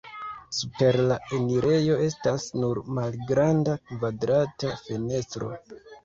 Super la enirejo estas nur malgranda kvadrata fenestro.